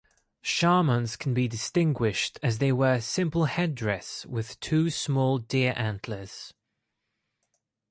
Shamans can be distinguished as they wear simple headress' with two small deer antlers.